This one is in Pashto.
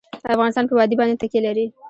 افغانستان په وادي باندې تکیه لري.